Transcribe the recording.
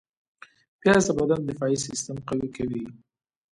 پیاز د بدن دفاعي سیستم قوي کوي